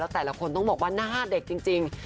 แต่ละคนต้องบอกว่าหน้าเด็กจริง